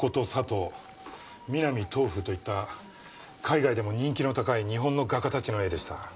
三波東風といった海外でも人気の高い日本の画家たちの絵でした。